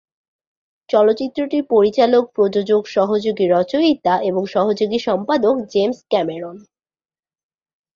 চলচ্চিত্রটির পরিচালক, প্রযোজক, সহযোগী রচয়িতা এবং সহযোগী সম্পাদক জেমস ক্যামেরন।